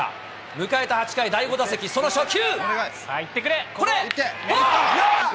迎えた８回、第５打席、その初球。